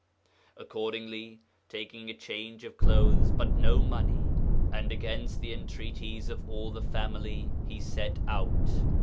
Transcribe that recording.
'Accordingly, taking a change of clothes, but no money, and against the entreaties of all the family, he set out.